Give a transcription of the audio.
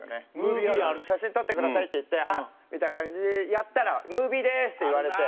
「写真撮ってください」って言って「あっ！」みたいな感じでやったら「ムービーです！」って言われて。